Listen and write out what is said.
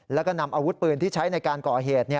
แล้วก็นำอาวุธปืนที่ใช้ในการก่อเหตุ